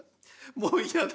もう嫌だ。